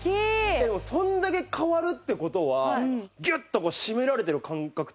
でもそれだけ変わるって事はギュッと締められてる感覚ってないですか？